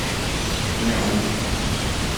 Менә алар...